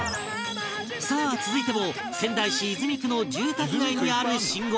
さあ続いても仙台市泉区の住宅街にある信号機